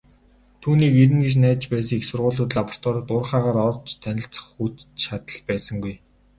Түүнийг ирнэ гэж найдаж байсан их сургуулиуд, лабораториуд, уурхайгаар орж танилцах хүч чадал байсангүй.